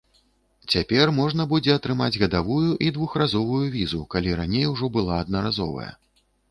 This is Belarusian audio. Цяпер можна будзе атрымаць гадавую і двухразовую візу, калі раней ужо была аднаразовая.